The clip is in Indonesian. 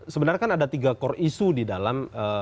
sebenarnya kan ada tiga core issue di dalamnya